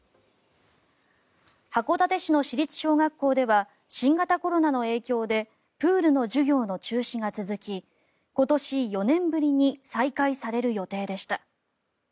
函館市の市立小学校では新型コロナの影響でプールの授業の中止が続き今年４年ぶりに再開される予定でした。